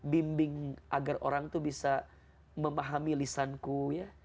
bimbing agar orang tuh bisa memahami lisanku ya